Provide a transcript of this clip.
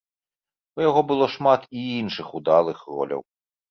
У яго было шмат і іншых удалых роляў.